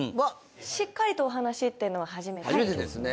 しっかりとお話っていうのは初めてですね。